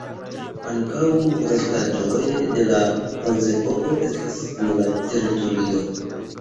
Ankaŭ restaĵoj de la Bronzepoko estas en la teritorio.